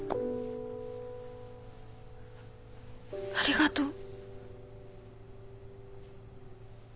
ありがとう。